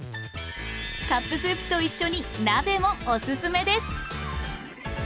カップスープと一緒に鍋もオススメです。